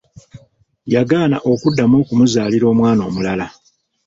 Yagaana okuddamu okumuzaalira omwana omulala.